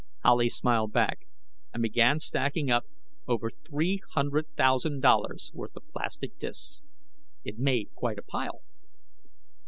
Howley smiled back and began stacking up over three hundred thousand dollars worth of plastic disks. It made quite a pile.